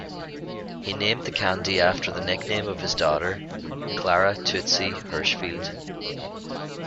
He named the candy after the nickname of his daughter, Clara "Tootsie" Hirshfield.